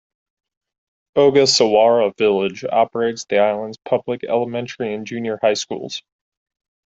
Ogasawara Village operates the island's public elementary and junior high schools.